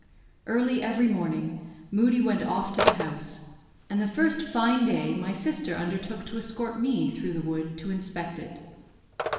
Early every morning, Moodie went off to the house; and the first fine day, my sister undertook to escort me through the wood, to inspect it.